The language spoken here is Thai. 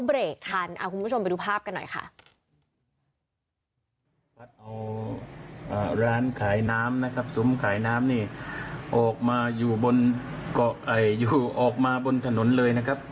เอาร้านขายน้ำซุ้มขายน้ำนี่ออกมาบนถนนเลยนะครับ